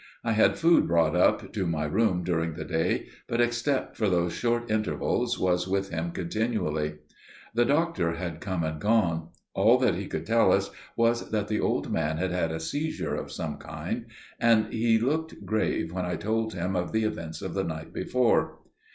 I had food brought up to my room during the day, but except for those short intervals was with him continually. The doctor had come and gone. All that he could tell us was that the old man had had a seizure of some kind, and he had looked grave when I told him of the events of the night before.